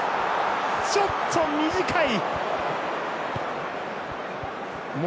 ちょっと短い。